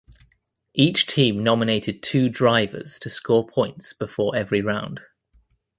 Each team nominated two drivers to score points before every round.